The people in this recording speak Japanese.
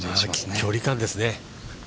距離感ですね